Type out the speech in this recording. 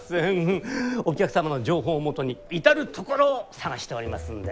お客様の情報をもとに至る所を探しておりますので。